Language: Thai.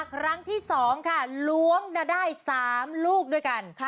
ครั้งที่๒ค่ะล้วงมาได้๓ลูกด้วยกัน